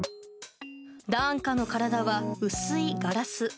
ダーンカの体は薄いガラス。